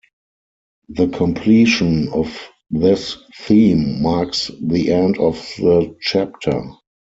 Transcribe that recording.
The completion of this theme marks the end of the chapter.